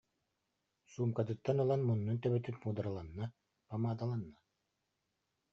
суумкатыттан ылан муннун төбөтүн пуудараланна, памаадаланна